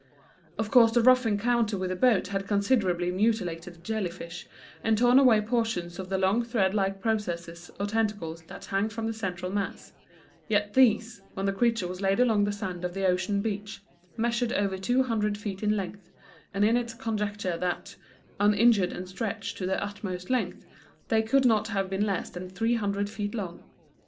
[Illustration: THE CAPTURE.] Of course the rough encounter with the boat had considerably mutilated the jelly fish, and torn away portions of the long thread like processes or tentacles that hang from the central mass; yet these, when the creature was laid along the sand of the ocean beach, measured over two hundred feet in length, and it is conjectured that, uninjured and stretched to their utmost length, they could not have been less than three hundred feet long.